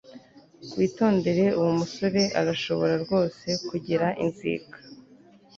Witondere Uwo musore arashobora rwose kugira inzika